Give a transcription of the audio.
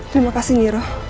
terima kasih nyairoh